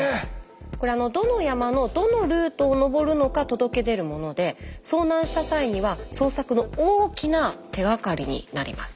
これどの山のどのルートを登るのか届け出るもので遭難した際には捜索の大きな手がかりになります。